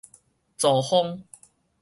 曹風